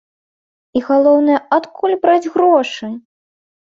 І, галоўнае, адкуль браць грошы?